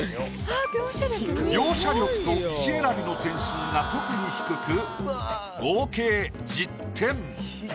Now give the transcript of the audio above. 描写力と石選びの点数が特に低く合計１０点。